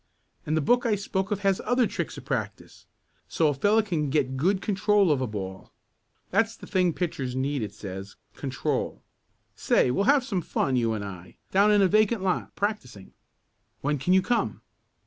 And the book I spoke of has other tricks of practice, so a fellow can get good control of a ball. That's the thing pitchers need it says control. Say, we'll have some fun, you and I, down in a vacant lot practicing. When can you come?"